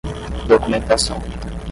documentação